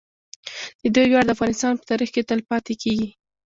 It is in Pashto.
د دوی ویاړ د افغانستان په تاریخ کې تل پاتې کیږي.